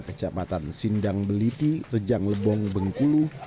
kecamatan sindang beliti rejang lebong bengkulu